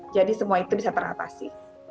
jadi semua itu bisa teratasi